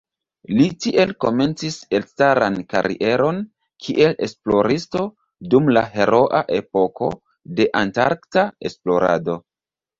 Li tiel komencis elstaran karieron kiel esploristo dum la heroa epoko de antarkta esplorado.